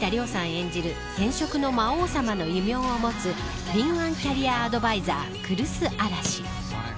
演じる転職の魔王様の異名を持つ敏腕キャリアアドバイザー来栖嵐。